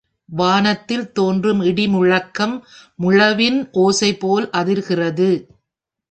வானத்தில் தோன்றும் இடி முழக்கம், முழவின் ஓசைபோல் அதிர்கிறது.